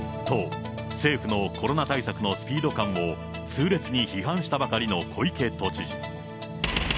と、政府のコロナ対策のスピード感を痛烈に批判したばかりの小池都知事。